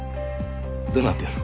どうなってんの？